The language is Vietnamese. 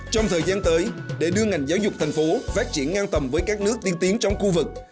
trong thời gian tới để đưa ngành giáo dục thành phố phát triển ngang tầm với các nước tiên tiến trong khu vực